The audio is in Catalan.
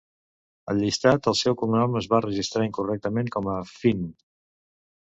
Al llistat, el seu cognom es va registrar incorrectament com a "Fynn".